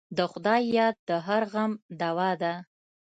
د خدای یاد د هر غم دوا ده.